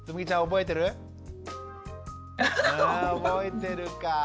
覚えてるか。